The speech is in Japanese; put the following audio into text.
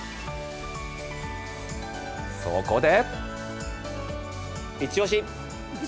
そこで。